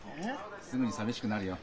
すぐにさみしくなるよ。